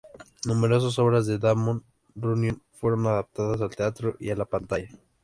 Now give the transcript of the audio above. Numerosas obras de Damon Runyon fueron adaptadas al teatro y a la pantalla.